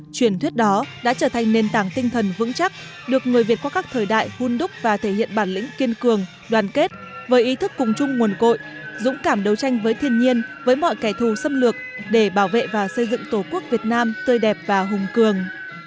truyền thuyết đó đã trở thành nền tảng tinh thần vững chắc được người việt qua các thời đại hôn đúc và thể hiện bản lĩnh kiên cường đoàn kết với ý thức cùng chung nguồn cội dũng cảm đấu tranh với thiên nhiên với mọi kẻ thù xâm lược để bảo vệ và xây dựng tổ quốc việt nam tươi đẹp và hùng cường